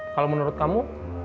kalau menurut kamu